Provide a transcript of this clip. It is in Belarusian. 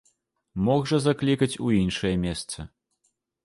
Мог жа заклікаць у іншае месца.